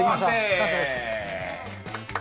完成です。